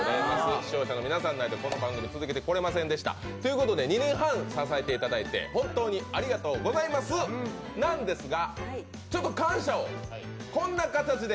視聴者の皆さんがなければこの番組、続けてこられませんでした。ということで２年半支えていただいて、本当にありがとうございます、なんですが。